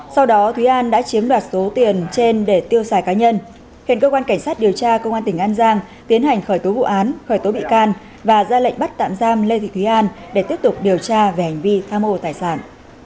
sau đó thúy an đã chiếm đoạt số tiền trên để tiêu xài cá nhân hiện cơ quan cảnh sát điều tra công an tỉnh an giang tiến hành khởi tố vụ án khởi tố bị can và ra lệnh bắt tạm giam lê thị thúy an để tiếp tục điều tra về hành vi tham mô tài sản